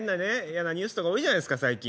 嫌なニュースとか多いじゃないですか最近。